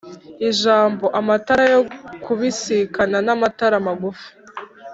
Ijambo” Amatara yo kubisikana n’amatara magufi